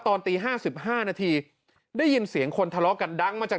ตอนตี๕๕นาทีได้ยินเสียงคนทะเลาะกันดังมาจาก